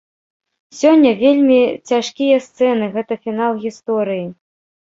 Сёння вельмі цяжкія сцэны, гэта фінал гісторыі.